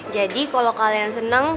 jadi kalo kalian seneng